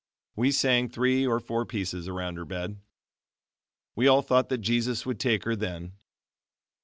We sang three or four other pieces around her bed. We all thought that Jesus would take her then.